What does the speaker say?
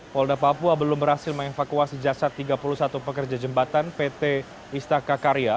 polda papua belum berhasil mengevakuasi jasad tiga puluh satu pekerja jembatan pt istaka karya